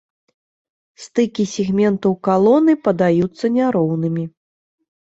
Стыкі сегментаў калоны падаюцца няроўнымі.